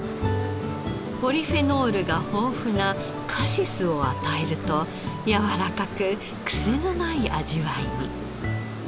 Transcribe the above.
ポリフェノールが豊富なカシスを与えるとやわらかくクセのない味わいに。